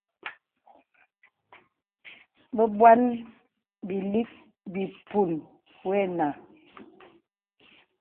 Bebuan bìlìk bìpun wə̀ nà.